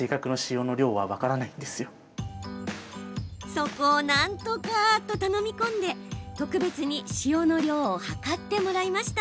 そこをなんとか！と頼み込んで特別に塩の量を量ってもらいました。